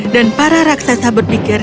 dan para raksasa berpikir